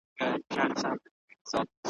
زه به دا وروستي نظمونه ستا په نامه ولیکم ,